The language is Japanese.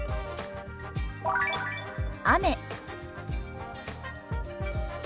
雨。